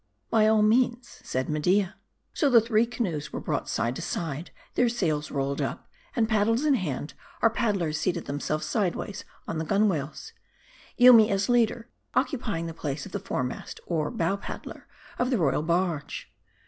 " By all means," said Media. So the three canoes were brought side to side ; their sails rolled up ; and paddles in hand, our paddlers seated them selves sideways on the gunwales ; Yoomy, as leader, occu pying the'pldtee of the foremast, or Bow Paddler of the' royal barge.